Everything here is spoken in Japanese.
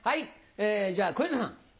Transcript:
じゃあ小遊三さん。